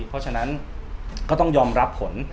เพราะฉะนั้นก็ต้องยอมรับผล